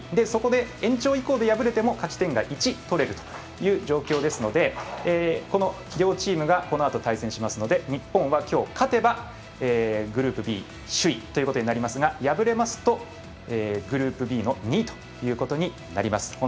そこで延長以降で敗れても勝ち点１取れるという状況ですのでこの両チームがこのあと対戦しますので日本はきょう勝てばグループＢ首位ということになりますが敗れますとグループＢの２位となります。